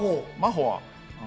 真帆は。